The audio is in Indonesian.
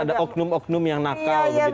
kadang ada oknum oknum yang nakal gitu ya